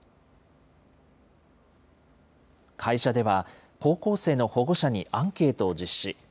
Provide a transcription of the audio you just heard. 会社では、高校生の保護者にアンケートを実施。